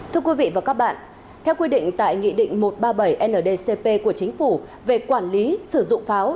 thưa quý vị và các bạn theo quy định tại nghị định một trăm ba mươi bảy ndcp của chính phủ về quản lý sử dụng pháo